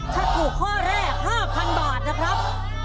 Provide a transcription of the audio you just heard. ถ้าถูกข้อแรก๕๐๐๐บาทนะครับ